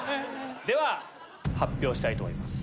では発表したいと思います。